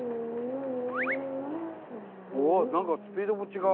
うわ何かスピードも違う。